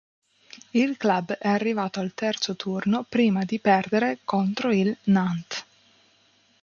Il club è arrivato al terzo turno prima di perdere contro il Nantes.